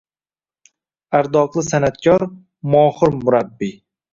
Ardoqli san’atkor, mohir murabbiy